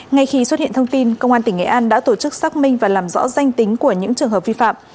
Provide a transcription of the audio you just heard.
ngay khi xuất hiện thông tin công an tỉnh nghệ an đã tổ chức xác minh và làm rõ danh tính của những trường hợp vi phạm